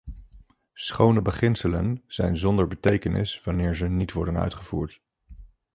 Schone beginselen zijn zonder betekenis wanneer ze niet worden uitgevoerd.